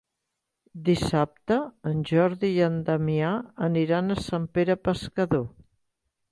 Dissabte en Jordi i en Damià aniran a Sant Pere Pescador.